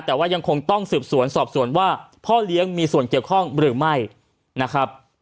แต่ว่ายังคงต้องสืบสวนสอบสวนว่าพ่อเลี้ยงมีส่วนเกี่ยวข้องหรือไม่นะครับ